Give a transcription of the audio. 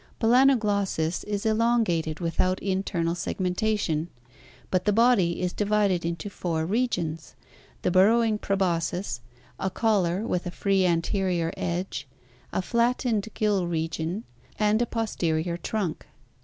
BalanoglossKs is elongated without internal seg mentation, but the body is divided into four regions (see Fig. 135), the burrowing proboscis, a collar with a free anterior edge, a flattened gill region, and a posterior trunk.